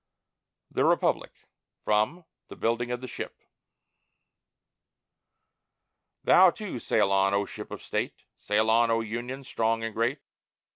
THE REPUBLIC From "The Building of the Ship" Thou, too, sail on, O Ship of State! Sail on, O Union, strong and great!